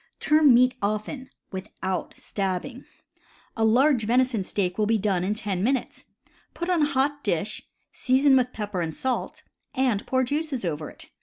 Turn meat often, without stabbing. A 134 CAMPING AND WOODCRAFT large venison steak will be done in ten minutes. Put on hot dish, season with pepper and salt, and pour juices over it.